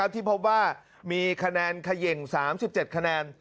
ที่พบว่ามีคะแนนเขย่ง๓๗คะแนน